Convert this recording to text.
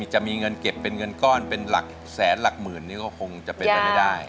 จะมีเงินเก็บเป็นเงินก้อนเป็นหลักแสนหลักหมื่นนี่ก็คงจะเป็นไปไม่ได้